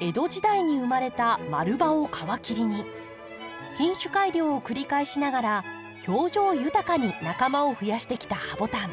江戸時代に生まれた丸葉を皮切りに品種改良を繰り返しながら表情豊かに仲間を増やしてきたハボタン。